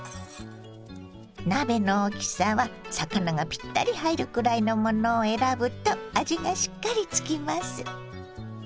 鍋の大きさは魚がピッタリ入るくらいのものを選ぶと味がしっかりつきます。